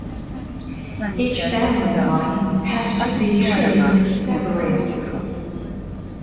Each family line has to be traced separately.